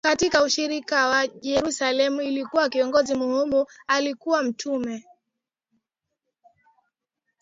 Katika ushirika wa Yerusalemu alikuwa kiongozi muhimu Alikuwa Mtume